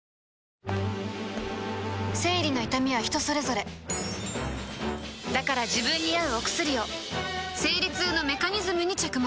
生理の痛みは人それぞれだから自分に合うお薬を生理痛のメカニズムに着目